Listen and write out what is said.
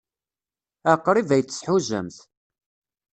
Ah, qrib ay t-tḥuzamt.